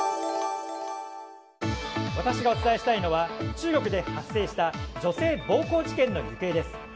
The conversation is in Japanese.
私がお伝えしたいのは中国で発生した女性暴行事件の行方です。